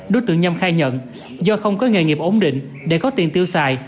đối tượng nhâm khai nhận do không có nghề nghiệp ổn định để có tiền tiêu xài